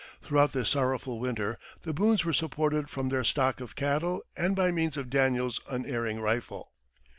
Throughout this sorrowful winter the Boones were supported from their stock of cattle and by means of Daniel's unerring rifle.